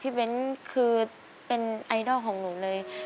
เบ้นคือเป็นไอดอลของหนูเลย